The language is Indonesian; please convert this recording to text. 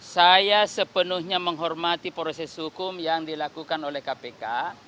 saya sepenuhnya menghormati proses hukum yang dilakukan oleh kpk